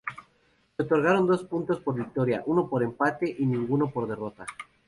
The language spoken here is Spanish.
Se otorgaron dos puntos por victoria, uno por empate y ninguno por derrota.